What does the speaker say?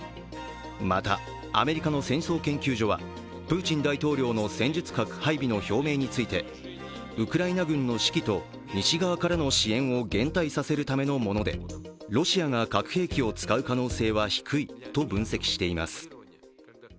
また、アメリカの戦争研究所はプーチン大統領の戦術核配備の表明について、ウクライナ軍の士気と西側からの支援を減退させるためのものでロシアが核兵器を使う可能性は低いと分析しています。